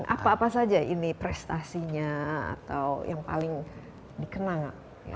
apa apa saja ini prestasinya atau yang paling dikenang